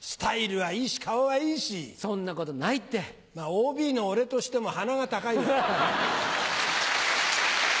ＯＢの俺としても鼻が高いわ。